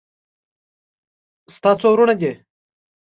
ستا څو ورونه دي